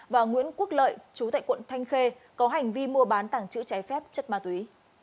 và nguyễn quốc lợi chú tại quận thanh khê có hành vi mua bán tàng trữ trái phép chất ma túy